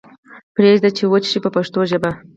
پریږدئ چې وچ شي په پښتو ژبه.